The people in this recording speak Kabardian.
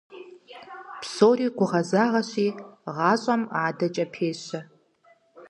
Псори гугъэзагъэщи, гъащӀэм адэкӀэ пещэ.